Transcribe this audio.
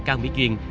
cao mỹ duyên